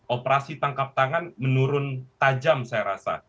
operasi tangkap tangan menurun tajam saya rasa